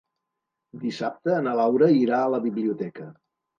Dissabte na Laura irà a la biblioteca.